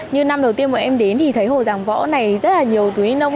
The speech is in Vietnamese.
như năm đầu tiên mọi em đến thì thấy hồ giảng võ này rất là nhiều